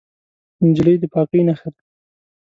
نجلۍ د پاکۍ نښه ده.